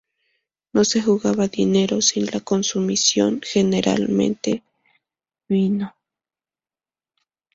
No se jugaba dinero sino la consumición, generalmente vino.